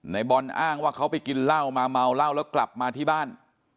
ในบอลอ้างว่าเขาไปกินเหล้ามาเมาเหล้าแล้วกลับมาที่บ้าน